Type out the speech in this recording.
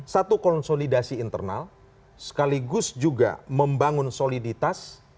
satu konsolidasi internal sekaligus juga membangun soliditas